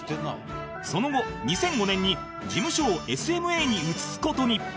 その後２００５年に事務所を ＳＭＡ に移す事に